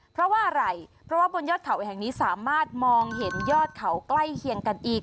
เพราะว่าอะไรเพราะว่าบนยอดเขาแห่งนี้สามารถมองเห็นยอดเขาใกล้เคียงกันอีก